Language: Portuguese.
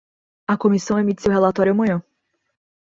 A comissão emite seu relatório amanhã